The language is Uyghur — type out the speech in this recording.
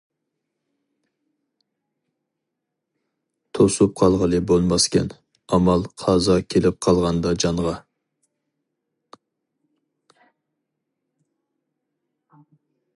توسۇپ قالغىلى بولماسكەن ئامال قازا كېلىپ قالغاندا جانغا.